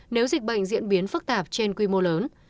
nếu dịch bệnh diễn biến phức tạp trên quy mô lớn